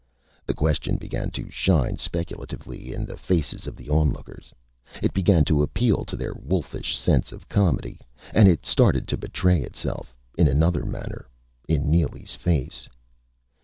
The question began to shine speculatively in the faces of the onlookers. It began to appeal to their wolfish sense of comedy. And it started to betray itself in another manner in Neely's face.